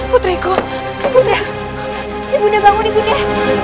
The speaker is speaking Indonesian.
putriku ibu nia ibu nia bangun ibu nia